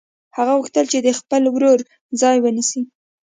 هغه غوښتل د خپل ورور ځای ونیسي